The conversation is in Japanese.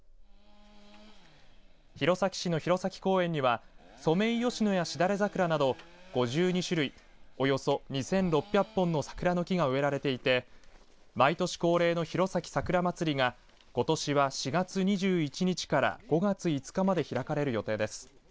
弘前市の弘前公園にはソメイヨシノやシダレザクラなど５２種類およそ２６００本の桜の木が植えられていて毎年恒例の弘前さくらまつりがことしは４月２１日から５月５日まで開かれる予定です。